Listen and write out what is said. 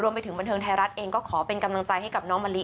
ไปถึงบันเทิงไทยรัฐเองก็ขอเป็นกำลังใจให้กับน้องมะลิ